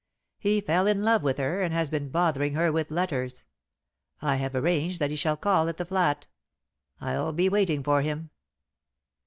He fell in love with her, and has been bothering her with letters. I have arranged that he shall call at the flat. I'll be waiting for him."